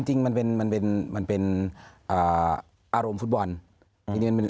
จริงมันเป็นอารมณ์ฟุตบอล